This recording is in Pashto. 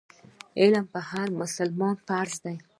علم پر هر مسلمان فرض دی.